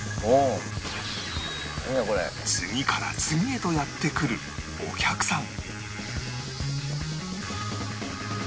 次から次へとやって来るお客さん